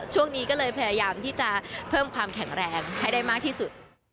ช่วงนี้ก็เลยพยายามที่จะเพิ่มความแข็งแรงให้ได้มากที่สุด